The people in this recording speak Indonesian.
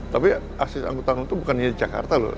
tapi akses angkutan umum itu bukan hanya di jakarta loh